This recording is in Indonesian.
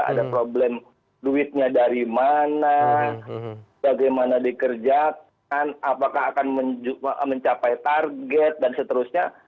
ada problem duitnya dari mana bagaimana dikerjakan apakah akan mencapai target dan seterusnya